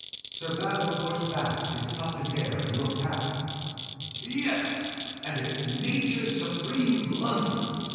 Sir Basil pushed back his tufted hair and looked happy. "Yes! And it's Nature's supreme blunder!